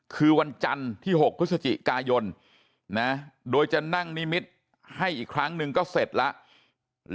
คือวันจันทร์ที่๖พฤศจิกายนโดยจะนั่งนิมิตรให้อีกครั้งหนึ่งก็เสร็จแล้ว